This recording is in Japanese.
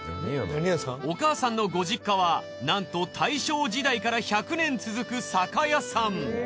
お母さんのご実家はなんと大正時代から１００年続く酒屋さん。